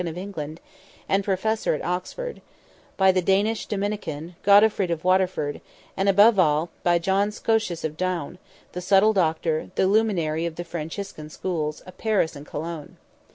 of England, and Professor at Oxford; by the Danish Dominican, Gotofrid of Waterford; and above all, by John Scotus of Down, the subtle doctor, the luminary of the Franciscan schools, of Paris and Cologne.